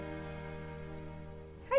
はい。